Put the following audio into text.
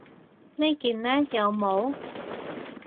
呢件呢？有帽